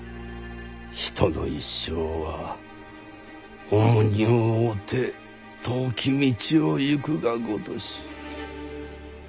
人の一生は重荷を負うて遠き道を行くがごとし。